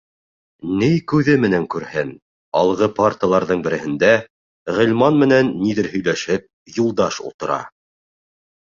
Ни күҙе менән күрһен: алғы парталарҙың береһендә, Ғилман менән ниҙер һөйләшеп, Юлдаш ултыра.